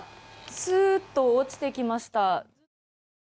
すっと落ちてきました。